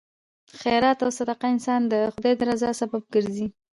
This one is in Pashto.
خیرات او صدقه انسان د خدای د رضا سبب ګرځي.